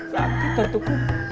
sakit atu kum